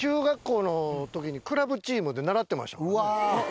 うわ。